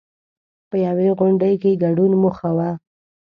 په یوې غونډې کې ګډون موخه وه.